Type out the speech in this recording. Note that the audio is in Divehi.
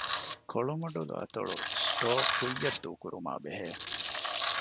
ކޮޅުމަޑުލު އަތޮޅު ސްޓޯރ ކުއްޔަށް ދޫކުރުމާބެހޭ